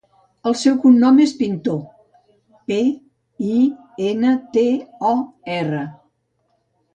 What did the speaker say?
El seu cognom és Pintor: pe, i, ena, te, o, erra.